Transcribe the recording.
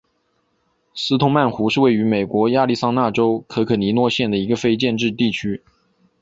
斯通曼湖是位于美国亚利桑那州可可尼诺县的一个非建制地区。